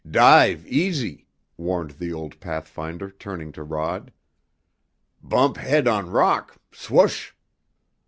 "Dive easy!" warned the old pathfinder, turning to Rod. "Bump head on rock swush!"